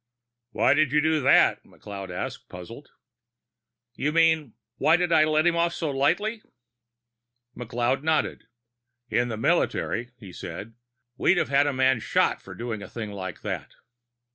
"Why did you do that?" McLeod asked, puzzled. "You mean, why did I let him off so lightly?" McLeod nodded. "In the military," he said, "we'd have a man shot for doing a thing like that."